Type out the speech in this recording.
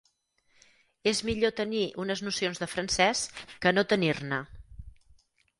És millor tenir unes nocions de francès que no tenir-ne.